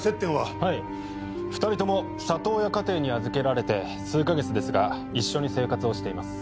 はい２人とも里親家庭に預けられて数カ月ですが一緒に生活をしています